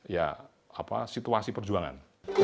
ya apa situasi perjuangan